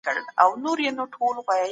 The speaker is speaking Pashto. تاسو د مال زکات په وخت وباسئ.